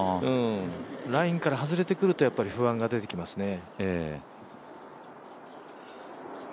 ラインから外れてくるとやっぱり不安が出てきますね。